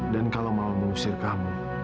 dan kalau mau mengusir kamu